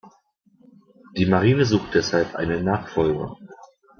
Die Marine suchte deshalb einen Nachfolger.